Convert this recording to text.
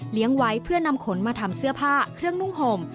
ไว้เพื่อนำขนมาทำเสื้อผ้าเครื่องนุ่งห่ม